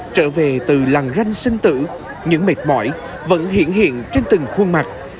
trở về từ làng ranh sinh tử những mệt mỏi vẫn hiện hiện trên từng khuôn mặt